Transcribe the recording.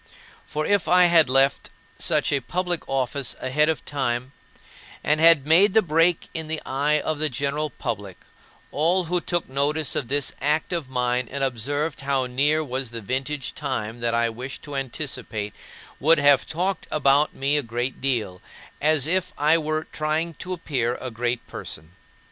For if I had left such a public office ahead of time, and had made the break in the eye of the general public, all who took notice of this act of mine and observed how near was the vintage time that I wished to anticipate would have talked about me a great deal, as if I were trying to appear a great person.